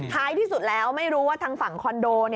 ท้ายที่สุดแล้วไม่รู้ว่าทางฝั่งคอนโด